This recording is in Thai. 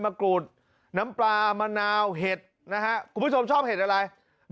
กรูดน้ำปลามะนาวเห็ดนะฮะคุณผู้ชมชอบเห็ดอะไร